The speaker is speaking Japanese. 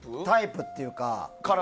タイプっていうか。